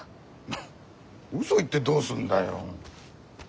フッ嘘言ってどうすんだよ。